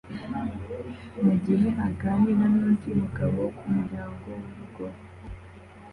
mugihe aganira nundi mugabo kumuryango wurugo